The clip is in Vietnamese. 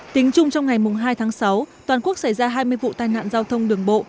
tính chung trong ngày hai tháng sáu toàn quốc xảy ra hai mươi vụ tai nạn giao thông đường bộ